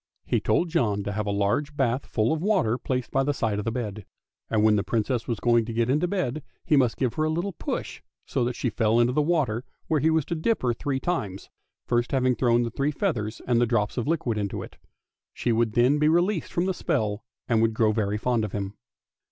He told John to have a large bath full of water placed by the side of the bed, and when the Princess was going to get into bed he must give her a little push so that she fell into the water, where he was to dip her three times, first having thrown the three feathers and the drops of liquid into it. She would then be released from the spell and would grow very fond of him.